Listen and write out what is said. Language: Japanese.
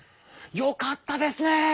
よかったですね！